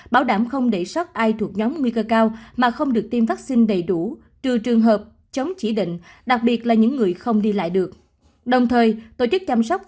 bảo đảm không đẩy sót ai thuộc nhóm nguy cơ cao mà không được tiêm vaccine đầy đủ trừ trường hợp chống chỉ định đặc biệt là những người không đi lại được